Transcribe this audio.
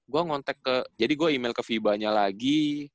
gua ngontek ke jadi gua email ke vibanya lagi